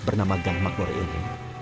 bernama gang makmur ini